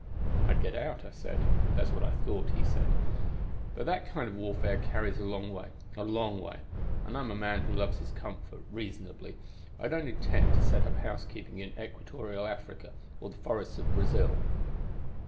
"'I'd get out,' I said. "'That's what I thought,' he said. 'But that kind of warfare carries a long way. A long way. And I'm a man who loves his comforts, reasonably. I don't intend to set up housekeeping in equatorial Africa or the forests of Brazil.'